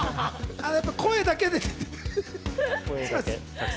声だけでね。